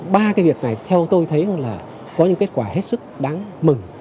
ba cái việc này theo tôi thấy là có những kết quả hết sức đáng mừng